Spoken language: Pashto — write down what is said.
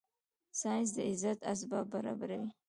ساینس د عزت اسباب برابره وي